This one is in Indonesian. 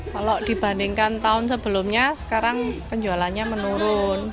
kalau dibandingkan tahun sebelumnya sekarang penjualannya menurun